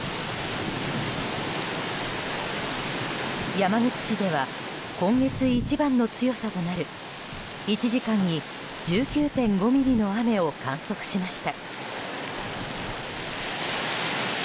山口市では今月一番の強さとなる１時間に１９．５ミリの雨を観測しました。